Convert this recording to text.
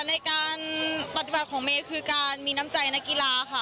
ในการปฏิบัติของเมย์คือการมีน้ำใจนักกีฬาค่ะ